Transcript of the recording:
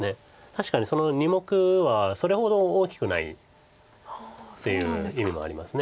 確かにその２目はそれほど大きくないっていう意味もあります。